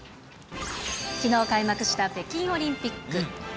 きのう開幕した北京オリンピック。